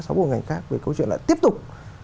sáu bộ ngành khác về câu chuyện là tiếp tục